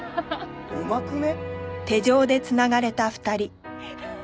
うまくね？